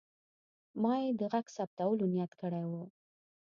ما یې د غږ ثبتولو نیت کړی و.